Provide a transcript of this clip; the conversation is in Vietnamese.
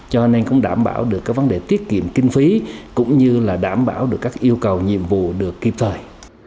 cho nên cũng đảm bảo được cái vấn đề tiết kiệm kinh phí cũng như là đảm bảo được các yêu cầu nhiệm vụ được kịp thời